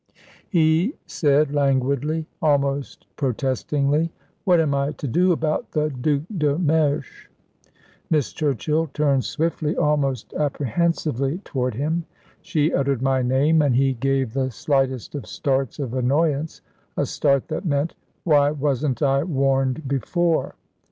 He said, languidly almost protestingly, "What am I to do about the Duc de Mersch?" Miss Churchill turned swiftly, almost apprehensively, toward him. She uttered my name and he gave the slightest of starts of annoyance a start that meant, "Why wasn't I warned before?"